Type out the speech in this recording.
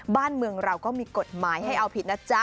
บ้านเมืองเราก็มีกฎหมายให้เอาผิดนะจ๊ะ